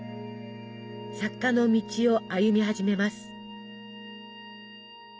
作家の道を歩み始めます。